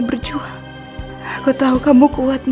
baru lo bersama gue